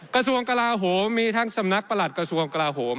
กระทรวงกลาโหมมีทั้งสำนักประหลัดกระทรวงกลาโหม